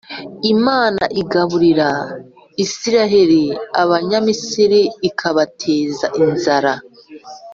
Imana igaburira Israheli, Abanyamisiri ikabateza inzara